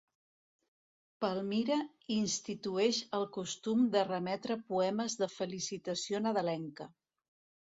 Palmira institueix el costum de remetre poemes de felicitació nadalenca.